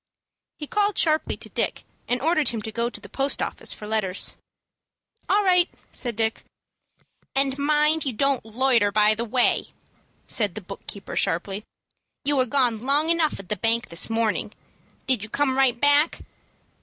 He called sharply to Dick, and ordered him to go to the post office for letters. "All right," said Dick. "And mind you don't loiter by the way," said the book keeper, sharply. "You were gone long enough at the bank this morning. Did you come right back?"